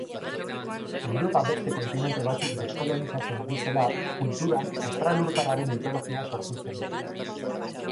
Europa beste kontinente batzuk deskolonizatzen ari zela, kulturan estralurtarraren mitologia sortu zen.